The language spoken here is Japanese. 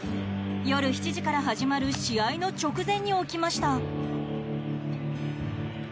夜７時から始まる試合の直前に起きました。